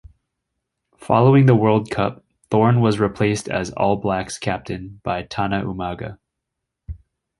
Following the World Cup, Thorne was replaced as All Blacks captain by Tana Umaga.